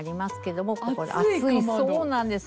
そうなんです。